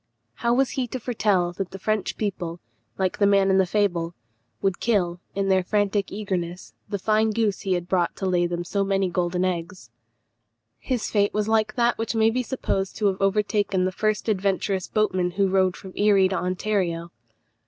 How was he to foretell that the French people, like the man in the fable, would kill, in their frantic eagerness, the fine goose he had brought to lay them so many golden eggs? His fate was like that which may be supposed to have overtaken the first adventurous boatman who rowed from Erie to Ontario.